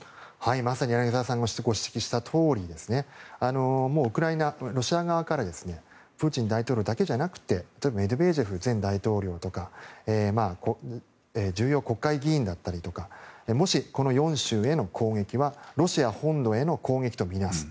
まさに柳澤さんがご指摘したとおりもうロシア側からプーチン大統領だけじゃなくて例えばメドベージェフ前大統領だとか重要国会議員だったりとかこの４州への攻撃はロシア本土への攻撃とみなす。